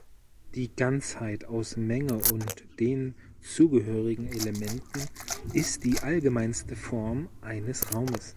Die Ganzheit aus Menge und den zugehörigen Elementen ist die allgemeinste Form eines Raumes.